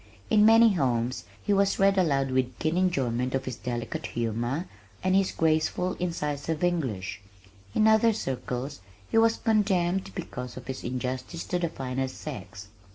In many homes he was read aloud with keen enjoyment of his delicate humor, and his graceful, incisive English; in other circles he was condemned because of his "injustice to the finer sex."